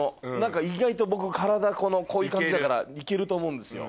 意外と僕体こういう感じだからいけると思うんですよ。